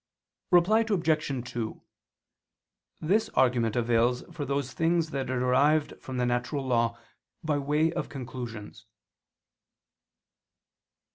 Reply Obj. 2: This argument avails for those things that are derived from the natural law, by way of conclusions.